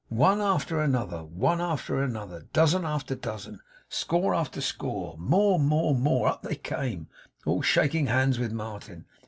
One after another, one after another, dozen after dozen, score after score, more, more, more, up they came; all shaking hands with Martin.